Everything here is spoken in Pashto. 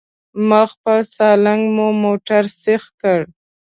مخ په سالنګ مو موټر سيخ کړ.